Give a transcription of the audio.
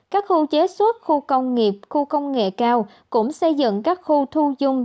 các khu chế xuất khu công nghiệp khu công nghệ cao cũng xây dựng các khu thu dung